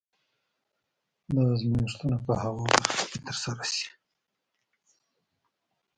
دا ازمایښتونه په هغو برخو کې ترسره شي.